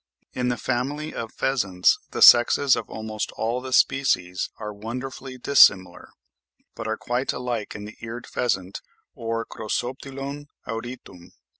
In the family of pheasants the sexes of almost all the species are wonderfully dissimilar, but are quite alike in the eared pheasant or Crossoptilon auritum.